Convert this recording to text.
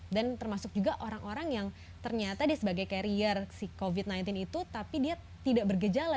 termasuk juga orang orang yang ternyata dia sebagai karier si covid sembilan belas itu tapi dia tidak bergejala